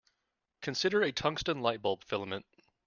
Consider a tungsten light-bulb filament.